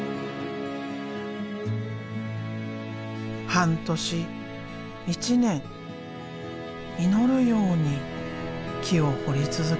半年１年祈るように木を彫り続けた。